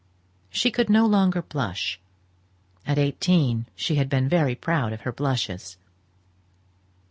She could no longer blush; and at eighteen she had been very proud of her blushes.